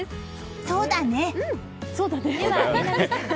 そうだね。